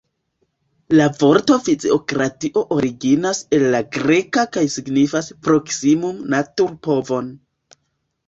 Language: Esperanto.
La vorto fiziokratio originas el la greka kaj signifas proksimume naturpovon.